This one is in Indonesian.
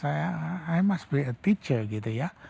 saya harus menjadi guru ya